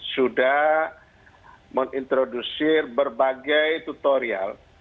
sudah menginterdusir berbagai tutorial